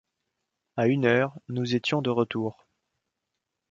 À une heure, nous étions de retour.